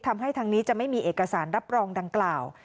ทำให้ทางนี้จะไม่มีเอกสารรับรองดังกล่าว